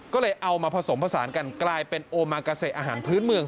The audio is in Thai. ก็เลยเอามาผสมผสานกันกลายเป็นโอมากาเซอาหารพื้นเมือง